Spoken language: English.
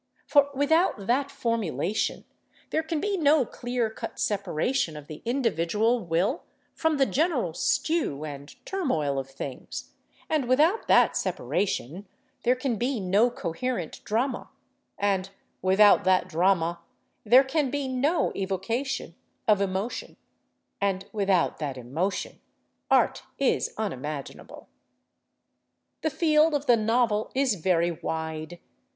For without that formulation there can be no clear cut separation of the individual will from the general stew and turmoil of things, and without that separation there can be no coherent drama, and without that drama there can be no evocation of emotion, and without that emotion art is unimaginable. The field of the novel is very wide.